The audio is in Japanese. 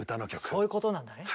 そういうことなんだね。